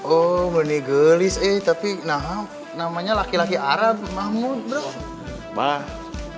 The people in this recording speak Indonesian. oh benih gelis eh tapi naham namanya laki laki arab mahmud bro